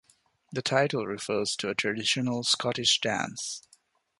The title refers to a traditional Scottish dance.